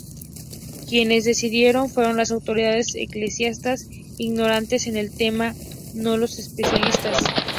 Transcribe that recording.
Quienes decidieron fueron las autoridades eclesiásticas ignorantes en el tema, no los especialistas.